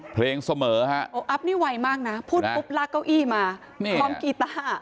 เพลงเสมอฮะโออัพนี่ไวมากนะพูดปุ๊บลากเก้าอี้มาพร้อมกีต้า